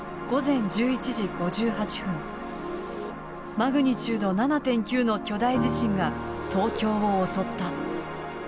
マグニチュード７．９の巨大地震が東京を襲った。